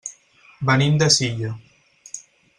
Venim de Silla.